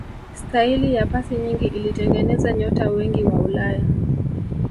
staili ya pasi nyingi ilitengeneza nyota wengi wa ulaya